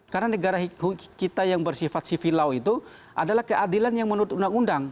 karena negara kita yang bersifat civil law itu adalah keadilan yang menurut undang undang